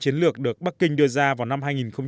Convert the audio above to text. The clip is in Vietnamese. tiến lược được bắc kinh đưa ra vào năm hai nghìn một mươi ba